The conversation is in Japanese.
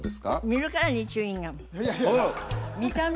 見るからにチューインガム見た目？